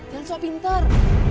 jalan soal pintar